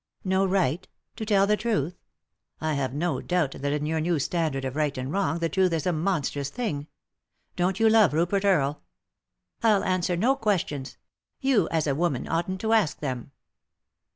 " No right T — to tell the truth ? I have no doubt that in your new standard of right and wrong the truth is a monstrous thing. Don't you love Rupert Earle ?"" I'll answer no questions ; you, as a woman, oughtn't to ask them."